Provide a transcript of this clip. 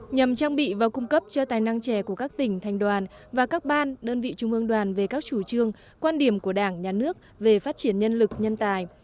nhằm trang bị và cung cấp cho tài năng trẻ của các tỉnh thành đoàn và các ban đơn vị trung ương đoàn về các chủ trương quan điểm của đảng nhà nước về phát triển nhân lực nhân tài